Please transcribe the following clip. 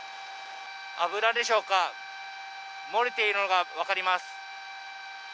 油でしょうか、漏れているのが分かります。